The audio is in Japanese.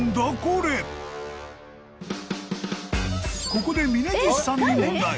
［ここで峯岸さんに問題］